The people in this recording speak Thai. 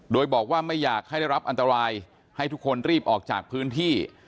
โดยบอกว่าไม่อยากให้ได้รับอันตรายให้ทุกคนรีบออกจากพื้นที่